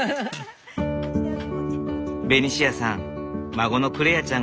ベニシアさん